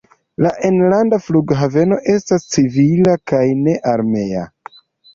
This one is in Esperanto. La enlanda flughaveno estas civila kaj ne armea.